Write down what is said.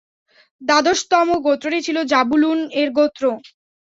দ্বাদশতম গোত্রটি ছিল যাবূলূন-এর গোত্র।